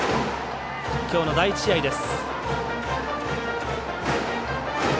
きょうの第１試合です。